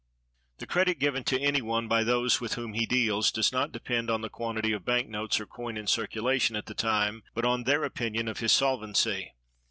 The credit given to any one by those with whom he deals does not depend on the quantity of bank notes or coin in circulation at the time, but on their opinion of his solvency.